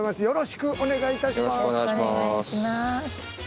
よろしくお願いします